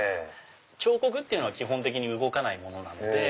彫刻っていうのは基本的に動かないものなので。